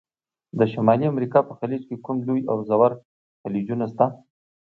د شمالي امریکا په خلیج کې کوم لوی او ژور خلیجونه شته؟